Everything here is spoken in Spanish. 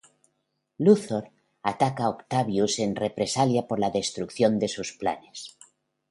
Luthor ataca a Octavius en represalia por la destrucción de sus planes.